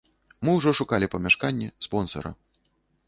Мы ўжо шукалі памяшканне, спонсара.